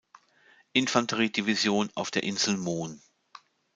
Infanterie-Division auf der Insel Moon.